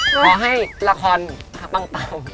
ขอให้ละครพักปังเตา